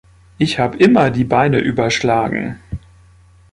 Ich hab immer die Beine überschlagen.